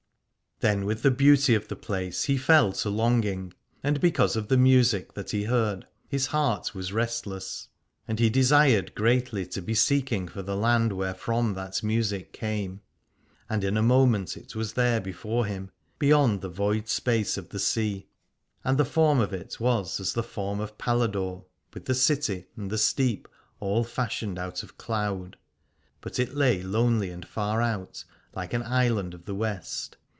Then with the beauty of the place he fell to longing, and because of the music that he heard his heart was restless : and he desired greatly to be seeking for the land wherefrom that music came. And in a moment it was there before him, beyond the void space of the sea. And the form of it was as the form of Paladore, with the city and the steep all fashioned out of cloud : but it lay lonely and far out, like an island of the West.